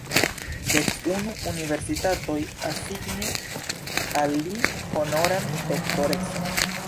Dek unu universitatoj asignis al li honoran doktorecon.